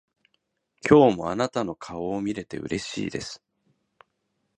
今日もあなたの顔を見れてうれしいです。